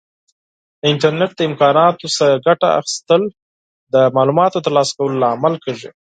د انټرنیټ د امکاناتو څخه ګټه اخیستل د معلوماتو د ترلاسه کولو لامل کیږي.